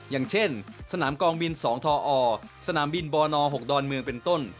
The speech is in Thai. อย่างเช่นสนามกองบิน๒ทอสนามบินบน๖ดอนเมืองเป็นต้น